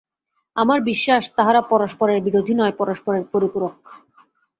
আমার বিশ্বাস, তাহারা পরস্পরের বিরোধী নয়, পরস্পরের পরিপূরক।